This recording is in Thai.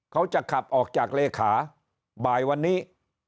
เขาจะขับออกจากเลขาบ่ายวันนี้